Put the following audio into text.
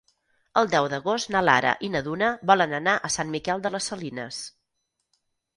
El deu d'agost na Lara i na Duna volen anar a Sant Miquel de les Salines.